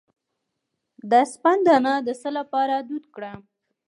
د سپند دانه د څه لپاره دود کړم؟